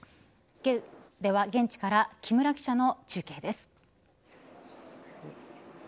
では、現地から木村記者の中継です。